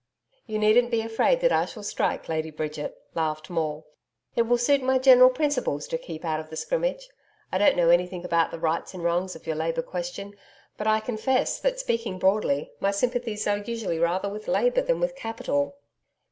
'You needn't be afraid that I shall strike, Lady Bridget,' laughed Maule. 'It will suit my general principles to keep out of the scrimmage. I don't know anything about the rights and wrongs of your labour question, but I confess that, speaking broadly, my sympathies are usually rather with Labour than with Capital.'